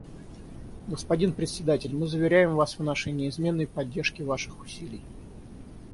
Господин Председатель, мы заверяем вас в нашей неизменной поддержке ваших усилий.